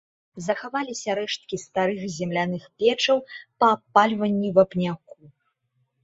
Захаваліся рэшткі старых земляных печаў па абпальванні вапняку.